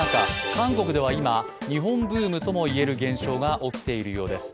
韓国では今、日本ブームとも言える現象が起きているようです。